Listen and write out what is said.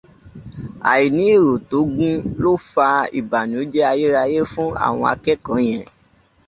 Aìní èrò tó gún tó fa ìbànújẹ́ ayérayé fún àwọn akẹ́kọ̀ọ́ yẹn.